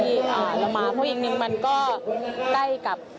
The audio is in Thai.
เพราะอย่างนึงมันได้กับที่ที่เกิดเหตุการณ์ด้วย